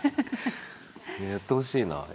やってほしいな。